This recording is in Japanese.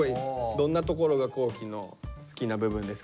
どんなところが皇輝の好きな部分ですか？